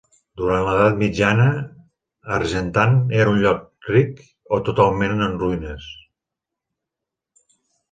Durant l'Edat Mitjana, Argentan era un lloc ric o totalment en ruïnes.